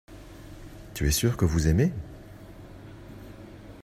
Tu es sûr que vous aimez.